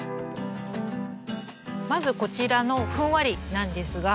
まずこちらのふんわりなんですが。